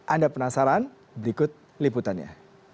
anda penasaran berikut liputannya